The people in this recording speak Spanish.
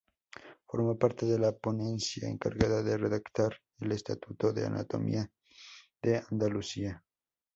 Formó parte de la ponencia encargada de redactar el Estatuto de Autonomía de Andalucía.